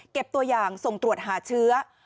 ตัวอย่างส่งตรวจหาเชื้อ